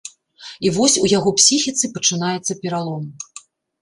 І вось у яго псіхіцы пачынаецца пералом.